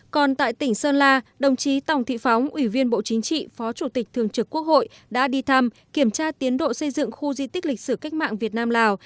còn tại tỉnh sơn la đồng chí tòng thị phóng ủy viên bộ chính trị phó chủ tịch thường trực quốc hội đã đi thăm kiểm tra tiến độ xây dựng khu di tích lịch sử cách mạng việt nam lào